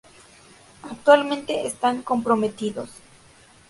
Actualmente están comprometidos